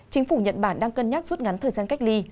chính phủ nhật bản đang cân nhắc rút ngắn thời gian cách ly